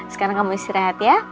sekarang kamu istirahat ya